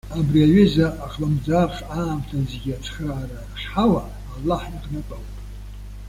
Абри аҩыза ахлымӡаах аамҭазгьы ацхыраара ахьҳауа Аллаҳ иҟынтә ауп.